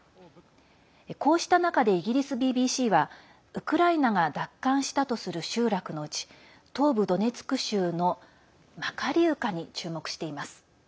こうした中でイギリスＢＢＣはウクライナが奪還したとする集落のうち東部ドネツク州のマカリウカに注目しています。